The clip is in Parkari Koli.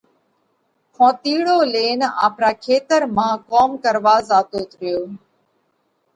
ۿونتِيڙو لينَ آپرا کيتر مانه ڪوم ڪروا زاتوت ريو۔